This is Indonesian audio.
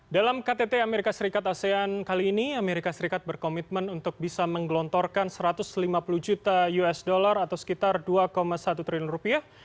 dalam ktt as kali ini as berkomitmen untuk bisa menggelontorkan satu ratus lima puluh juta usd atau sekitar dua satu triliun rupiah